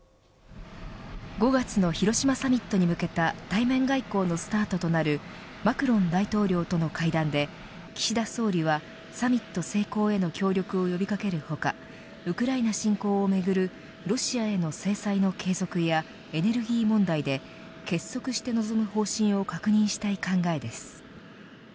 ５月の広島サミットに向けた対面外交のスタートとなるマクロン大統領との会談で岸田総理はサミット成功への協力を呼びかける他ウクライナ侵攻をめぐるロシアへの制裁の継続やエネルギー問題で結束して臨む方針を確認したい考えです。